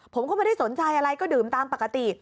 ผมก็ไม่ได้สนใจอะไรก็ดื่มตามปกติ